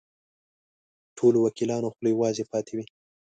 ټولو وکیلانو خولې وازې پاتې وې.